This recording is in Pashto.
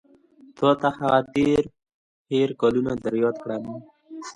تا ته هغه تېر هېر کلونه در یاد کړم.